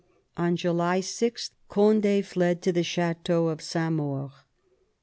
On July 6 Cond^ fled to the chateau of Saint Maur.